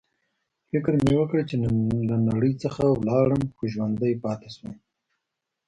فکر مې وکړ چې له نړۍ څخه ولاړم، خو ژوندی پاتې شوم.